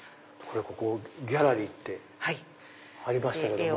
ここギャラリーってありましたけども。